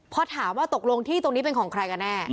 พอถามว่าตกลงที่ตรงนี้เป็นของใครกันแน่